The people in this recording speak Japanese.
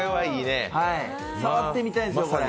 触ってみたいですよ、これ。